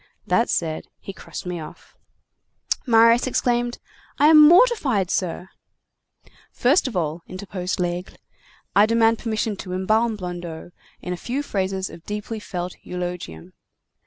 That said, he crossed me off." Marius exclaimed:— "I am mortified, sir—" "First of all," interposed Laigle, "I demand permission to embalm Blondeau in a few phrases of deeply felt eulogium.